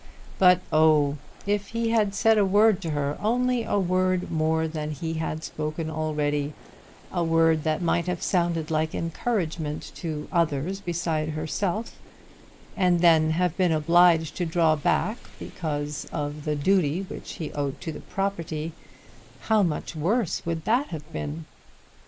But, oh, if he had said a word to her, only a word more than he had spoken already, a word that might have sounded like encouragement to others beside herself, and then have been obliged to draw back because of the duty which he owed to the property, how much worse would that have been!